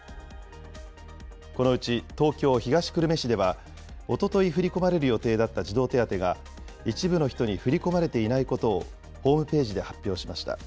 このうち東京・東久留米市では、おととい振り込まれる予定だった児童手当が、一部の人に振り込まれていないことをホームページで発表しました。